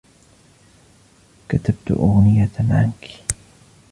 كتبت أغنية عنك.